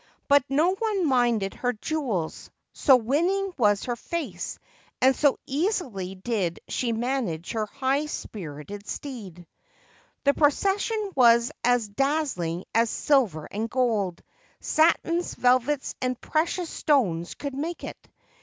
But no one minded her jewels, so winning was her face, and so easily did she manage her high spirited steed. The procession was as dazzling as silver and gold, satins, velvets, and precious stones could make it.